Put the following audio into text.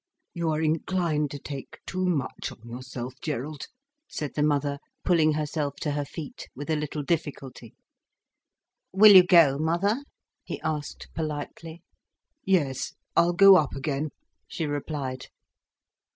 "You are inclined to take too much on yourself, Gerald," said the mother, pulling herself to her feet, with a little difficulty. "Will you go, mother?" he asked, politely. "Yes, I'll go up again," she replied.